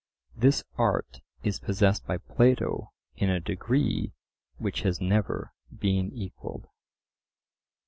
This art is possessed by Plato in a degree which has never been equalled.